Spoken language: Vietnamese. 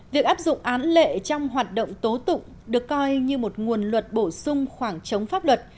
việc áp dụng án lệ trong hoạt động tố tụng được coi như một nguồn luật bổ sung khoảng trống pháp luật